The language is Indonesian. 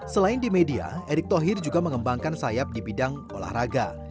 selain di media erick thohir juga mengembangkan sayap di bidang olahraga